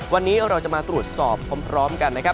วันนี้เราจะมาตรวจสอบพร้อมกันนะครับ